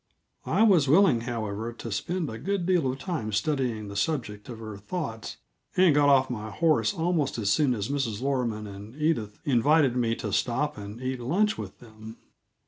I was willing, however, to spend a good deal of time studying the subject of her thoughts, and got off my horse almost as soon as Mrs. Loroman and Edith invited me to stop and eat lunch with them.